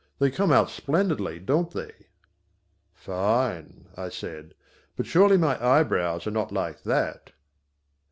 They come out splendidly, don't they?" "Fine," I said, "but surely my eyebrows are not like that?"